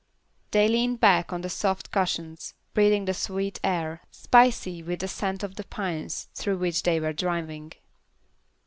They leaned back on the soft cushions, breathing the sweet air, spicy with the scent of the pines through which they were driving.